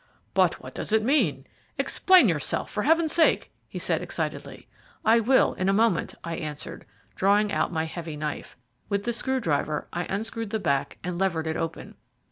"But what does it mean? Explain yourself, for Heaven's sake," he said excitedly. "I will in a moment," I answered, drawing out my heavy knife. With the screw driver I unscrewed the back and levered it open.